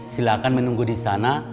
silakan menunggu di sana